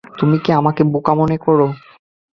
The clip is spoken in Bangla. তুমি কি আমাকে বোকা মনে করো?